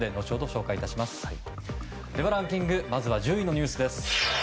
では、ランキング１０位のニュースです。